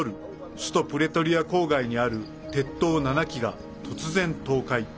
首都プレトリア郊外にある鉄塔７基が突然、倒壊。